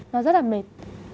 nó rất là mệt